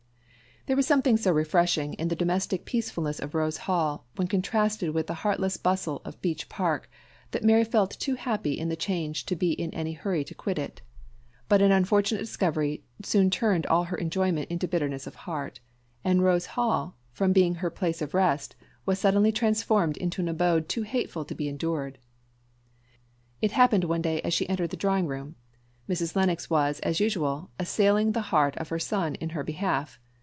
THERE was something so refreshing in the domestic peacefulness of Rose Hall, when contrasted with the heartless bustle of Beech Park, that Mary felt too happy in the change to be in any hurry to quit it. But an unfortunate discovery soon turned all her enjoyment into bitterness of heart; and Rose Hall, from being to her a place of rest, was suddenly transformed into an abode too hateful to be endured. It happened one day as she entered the drawing room, Mrs. Lennox was, as usual, assailing the heart of her son in her behalf.